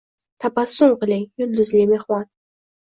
Tabassum qiling, yulduzli mehmon